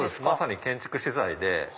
まさに建築資材で。